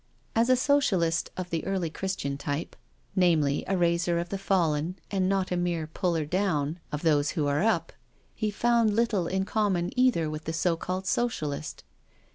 As a Socialist of the early Chris tian type, namely, a raiser of the fallen and not a mere puller down of those who are up, he found little in common either with the so called Socialist.